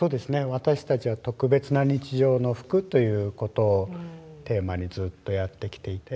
私たちは特別な日常の服ということをテーマにずっとやってきていて。